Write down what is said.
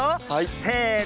せの。